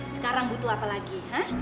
sekarang butuh apa lagi